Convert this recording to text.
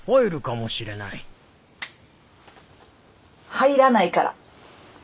入らないから！